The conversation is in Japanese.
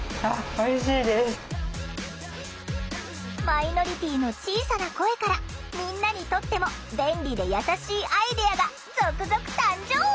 マイノリティーの小さな声からみんなにとっても便利で優しいアイデアが続々誕生！